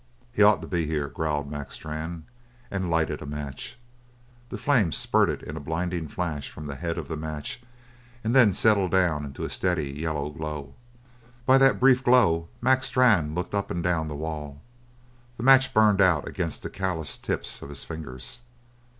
"He ought to be here," growled Mac Strann, and lighted a match. The flame spurted in a blinding flash from the head of the match and then settled down into a steady yellow glow. By that brief glow Mac Strann looked up and down the wall. The match burned out against the calloused tips of his fingers.